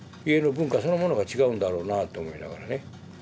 家の文化そのものが違うんだろうなあと思いながらね。